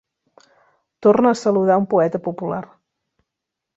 Torna a saludar un poeta popular.